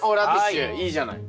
いいじゃない。